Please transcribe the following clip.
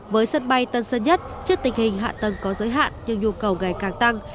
với sân bay tân sơn nhất trước tình hình hạ tầng có giới hạn nhưng nhu cầu ngày càng tăng